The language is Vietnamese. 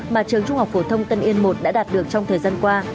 mà trường trung học phổ thông tân yên i đã đạt được trong thời gian qua